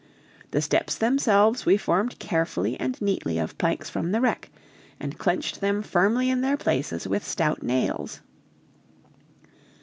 The steps themselves we formed carefully and neatly of planks from the wreck, and clenched them firmly in their places with stout nails.